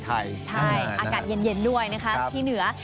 ใช่อากาศเย็นด้วยนะคะที่เหนือ